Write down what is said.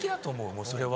もうそれは。